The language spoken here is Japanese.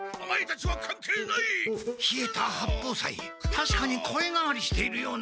たしかに声変わりしているような。